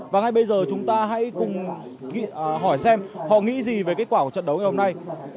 và ngay bây giờ chúng ta hãy cùng hỏi xem họ nghĩ gì về kết quả của trận đấu ngày hôm nay